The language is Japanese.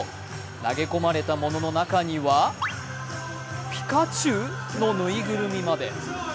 投げ込まれたものの中にはピカチュウのぬいぐるみまで。